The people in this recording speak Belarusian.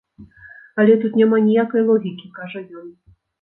Але тут няма ніякай логікі, —кажа ён.